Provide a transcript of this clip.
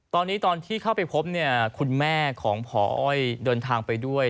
ตอนนี้ตอนที่เข้าไปพบเนี่ยคุณแม่ของพออ้อยเดินทางไปด้วย